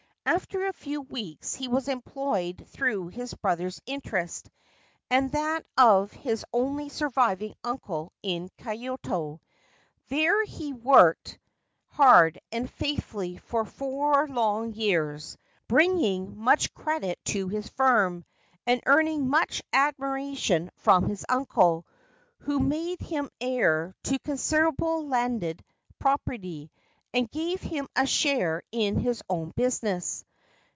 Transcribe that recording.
After a few weeks, he was employed through his brother's interest and that of his only surviving uncle in Kyoto. There he worked 248 The Blind Beauty hard and faithfully for four long years, bringing much credit to his firm, and earning much admiration from his uncle, who made him heir to considerable landed property, and gave him a share in his own business.